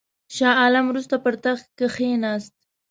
شاه عالم وروسته پر تخت کښېنست.